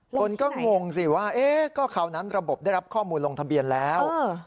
คนก็งงสิว่าก็คราวนั้นระบบได้รับข้อมูลลงทะเบียนแล้ว